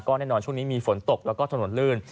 แน่นอนช่วงนี้มีฝนตกแล้วก็ถนนลื่น